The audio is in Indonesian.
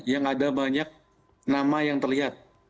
yang ada banyak nama yang terlihat